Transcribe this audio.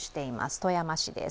富山市です。